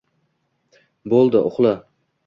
Bo‘ldi, uxla...